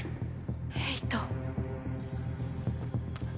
エイト。